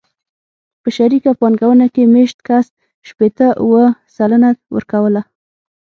په شریکه پانګونه کې مېشت کس شپېته اووه سلنه ورکوله.